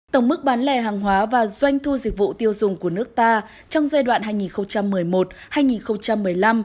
tổng mức bán lẻ hàng hóa và doanh thu dịch vụ tiêu dùng của nước ta trong giai đoạn hai nghìn một mươi một hai nghìn một mươi năm